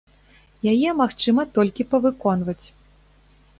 Яе магчыма толькі павыконваць.